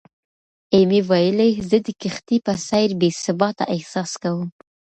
ایمي ویلي، "زه د کښتۍ په څېر بې ثباته احساس کوم."